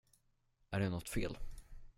Är det nåt fel?